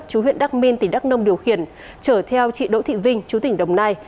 chú huyện đắc minh tỉnh đắk nông điều khiển chở theo chị đỗ thị vinh chú tỉnh đồng nai